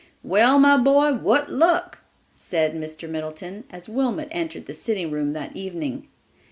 "Well, my boy, what luck?" said Mr. Middleton, as Wilmot entered the sitting room that evening.